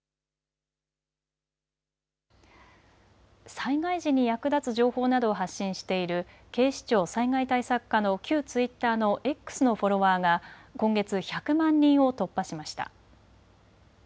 災害時に役立つ情報などを発信している警視庁災害対策課の旧ツイッターのＸのフォロワーが今月、１００万人を突破しました。